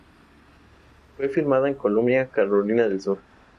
Fue filmada en Columbia, Carolina del Sur.